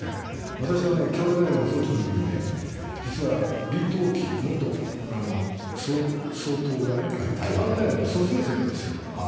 私は京都大学の総長のときに実は李登輝元総統が京都大学の卒業生なんですよ。